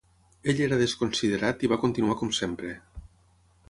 Ell era desconsiderat i va continuar com sempre.